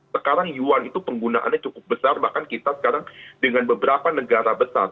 sekarang yuan itu penggunaannya cukup besar bahkan kita sekarang dengan beberapa negara besar